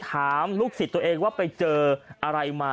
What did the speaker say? ถามลูกศิษย์ตัวเองว่าไปเจออะไรมา